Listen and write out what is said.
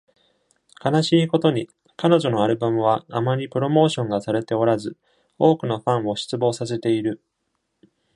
悲しいことに、彼女のアルバムはあまりプロモーションがされておらず、多くのファンを失望させている。